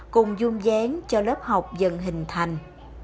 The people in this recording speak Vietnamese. cùng dung dáng cho lớp học dần hình thành